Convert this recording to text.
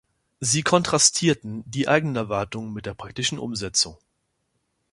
Sie kontrastieren die eigenen Erwartungen mit der praktischen Umsetzung.